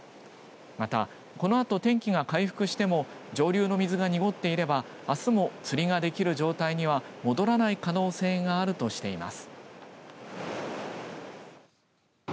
また、このあと天気が回復しても上流の水が濁っていれば、あすも釣りができる状態には戻らない可能性があるとしています